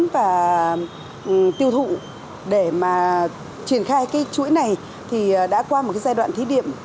và tiêu thụ để mà triển khai cái chuỗi này thì đã qua một cái giai đoạn thí điểm